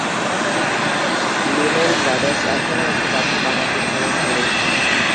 লিনেল Brothers এখনও একটি কাঠের বাগান পরিচালনা করে।